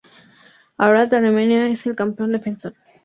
Ararat-Armenia es el campeón defensor.